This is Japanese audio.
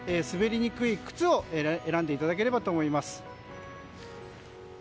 滑りにくい靴を選んでいただければと思います。